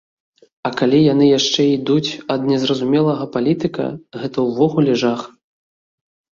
А калі яны яшчэ ідуць ад незразумелага палітыка, гэта ўвогуле жах.